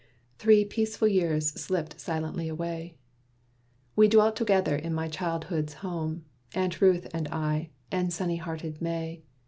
Three peaceful years slipped silently away. We dwelt together in my childhood's home, Aunt Ruth and I, and sunny hearted May.